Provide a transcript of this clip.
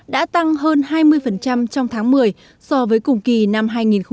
đã tăng hơn hai mươi trong tháng một mươi so với cùng kỳ năm hai nghìn một mươi tám